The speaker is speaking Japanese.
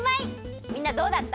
みんなどうだった？